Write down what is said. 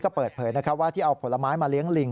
ก็เปิดเผยว่าที่เอาผลไม้มาเลี้ยงลิง